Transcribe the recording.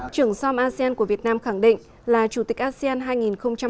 trưởng som asean của việt nam khẳng định là chủ tịch asean hai nghìn hai mươi